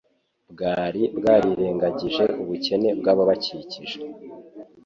bwari bwarirengagije ubukene bw'ababakikije.